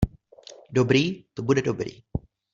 Dobrý, to bude dobrý...